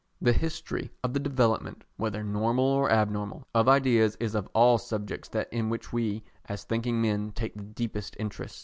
The history of the development, whether normal or abnormal, of ideas is of all subjects that in which we, as thinking men, take the deepest interest.